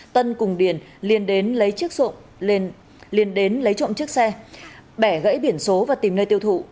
tân cùng điền liên đến lấy trộm chiếc xe bẻ gãy biển số và tìm nơi tiêu thụ